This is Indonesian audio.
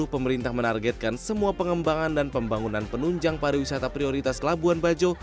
pemerintah menargetkan semua pengembangan dan pembangunan penunjang pariwisata prioritas labuan bajo